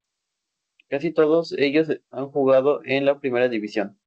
Casi todos ellos han jugado en la Primera División.